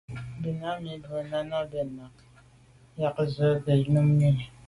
Ba nǎmî bû Nánái bɛ̂n náɁ ják ndzwə́ á gə́ Númíi.